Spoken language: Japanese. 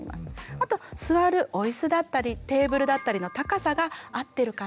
あと座るお椅子だったりテーブルだったりの高さが合ってるかな。